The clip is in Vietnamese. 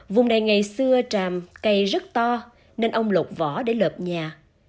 vùng này ngày xưa tràm cây rất to nên ông lột vỏ để lợp nhà